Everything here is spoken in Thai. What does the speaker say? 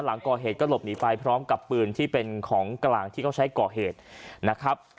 หลังก่อเหตุก็หลบหนีไปพร้อมกับปืนที่เป็นของกลางที่เขาใช้ก่อเหตุนะครับ